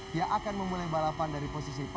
dia akan memulai balapan dari posisi ketiga dan keempat